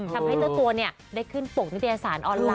ทำให้เจ้าตัวได้ขึ้นปกนิตยสารออนไลน